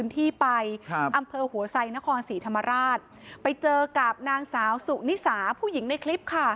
ที่ไปครับอำเภอหัวไซนครศรีธรรมราชไปเจอกับนางสาวสุนิสาผู้หญิงในคลิปค่ะ